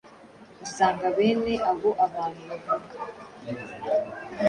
Usanga bene abo abantu bavuga